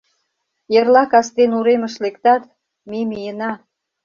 Эрла кастен уремыш лектат... ме миена.